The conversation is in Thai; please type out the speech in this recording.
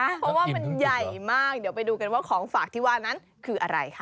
เพราะว่ามันใหญ่มากเดี๋ยวไปดูกันว่าของฝากที่ว่านั้นคืออะไรค่ะ